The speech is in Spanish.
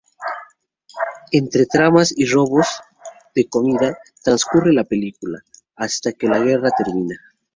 Entre tramas y robos de comida, trascurre la película, hasta que la guerra termina.